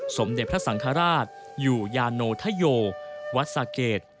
สมเด็จพระสังฆราชอยู่ยาโนธโยวัดสะเกด